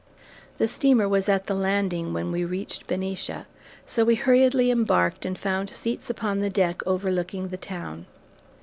The steamer was at the landing when we reached Benicia so we hurriedly embarked and found seats upon the deck overlooking the town.